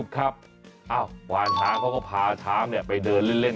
ก็พาช้างไปเดินเล่น